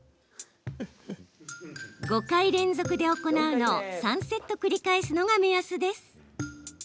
５回連続で行うのを３セット繰り返すのが目安です。